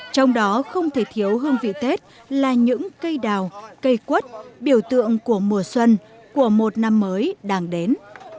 trong đó không thể thiếu hương vị tết là những cây đào cây quất biểu tượng của mùa xuân của một năm mới đang đến